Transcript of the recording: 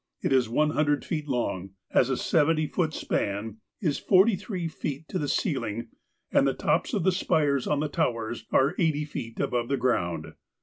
It is one hundred feet long, has a seventy foot span, is forty three feet to the ceiling, and the tops of the spires on the towers are eighty feet above the ground.